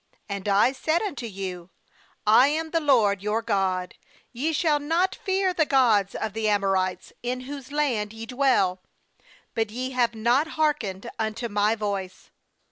10And I said unto you: I am the LORD your God; ye shall not fear the gods of the Amorites, in whose land ye dwell; but ye have not hearkened unto My voice.'